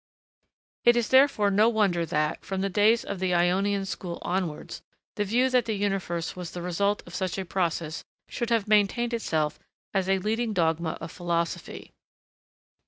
It is therefore no wonder that, from the days of the Ionian school onwards, the view that the universe was the result of such a process should have maintained itself as a leading dogma of philosophy.